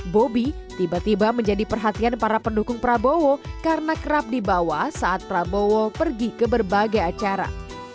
bobi tiba tiba menjadi perhatian para pendukung prabowo karena kerap dibawa saat prabowo pergi ke berbagai acara